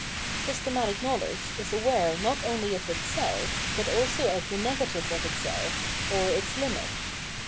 Systematic knowledge is aware not only of itseM, but also of the negative of itself, or its limit.